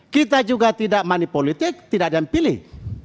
kita juga tidak money politik tidak ada yang pilih